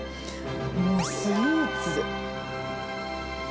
もうスイーツ。